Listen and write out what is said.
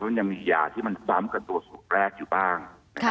เพราะจะมียาที่มันซ้ำกับตัวสุขแรกอยู่บ้าง